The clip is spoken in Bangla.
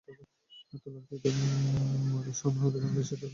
তুলার ক্ষেতে মৌলিক শ্রম অধিকারে দেশটি উল্লেখযোগ্য অগ্রগতি অর্জন করেছে।